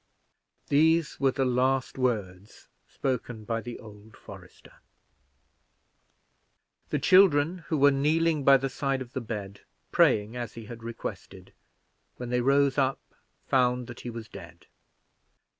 These were the last words spoken by the old forester. The children, who were kneeling by the side of the bed, praying as he had requested, when they rose up, found that he was dead.